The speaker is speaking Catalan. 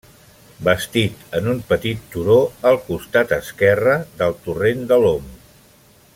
Bastit en un petit turó al costat esquerre del torrent de l'Om.